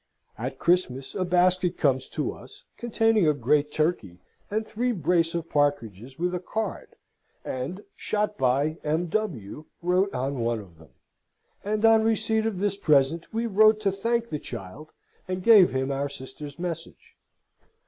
At Christmas a basket comes to us, containing a great turkey, and three brace of partridges, with a card, and "shot by M. W." wrote on one of them. And on receipt of this present, we wrote to thank the child and gave him our sister's message.